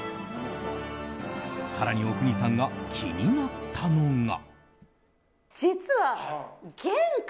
更に阿国さんが気になったのが。